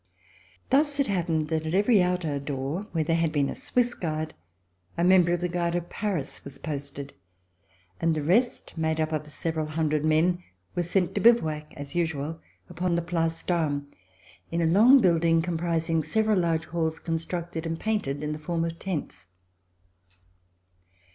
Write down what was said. Thus it happened that at every outer door where there had been a Swiss guard, a member of the Guard of Paris was posted, and the rest, made up of several hundred men, were sent to bivouac, as usual, upon the Place d'Armes, in a long building comprising several large halls constructed and painted in the form of tents.